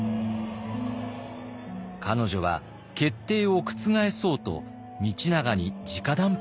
彼女は決定を覆そうと道長にじか談判します。